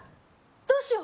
どうしよう